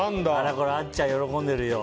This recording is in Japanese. あっちゃん、喜んでるよ。